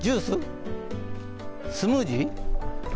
スムージー？